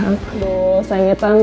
aduh sayangnya tante